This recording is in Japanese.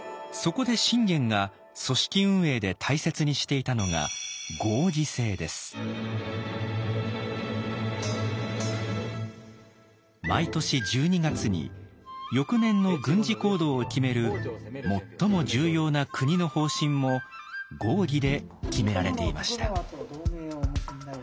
そこで信玄が組織運営で大切にしていたのが毎年１２月に翌年の軍事行動を決める最も重要な国の方針も合議で決められていました。